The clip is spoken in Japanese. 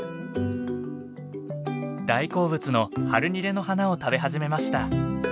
大好物のハルニレの花を食べ始めました。